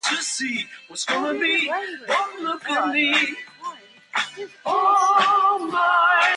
The idea that language and thought are intertwined is ancient.